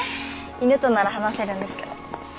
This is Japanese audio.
犬となら話せるんですけど。